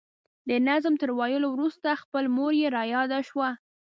د نظم تر ویلو وروسته خپله مور مې را یاده شوه.